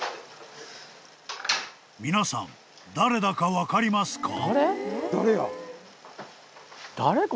［皆さん誰だか分かりますか？］